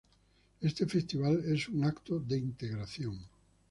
Este festival es un evento de integración.